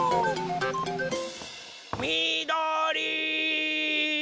みどり！